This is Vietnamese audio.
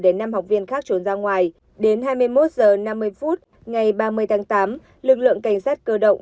để năm học viên khác trốn ra ngoài đến hai mươi một h năm mươi phút ngày ba mươi tháng tám lực lượng cảnh sát cơ động